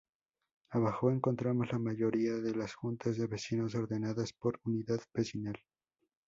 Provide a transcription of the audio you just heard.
Abajo encontramos la mayoría de las Juntas de Vecinos ordenadas por Unidad Vecinal.